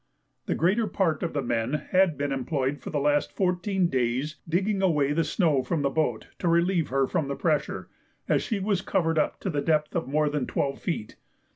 The greater part of the men had been employed for the last fourteen days digging away the snow from the boat to relieve her from the pressure, as she was covered up to the depth of more than twelve feet.